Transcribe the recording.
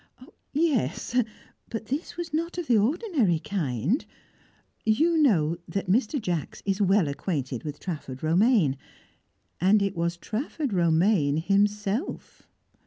"Yes, but this was not of the ordinary kind. You know that Mr. Jacks is well acquainted with Trafford Romaine. And it was Trafford Romaine himself."